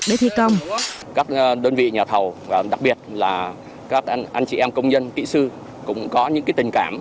các đơn vị nhà thầu đặc biệt là các anh chị em công nhân kỹ sư cũng có những tình cảm